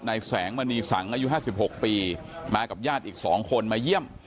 นายแสงมณีสังอายุห้าสิบหกปีมากับญาติอีกสองคนมาเยี่ยม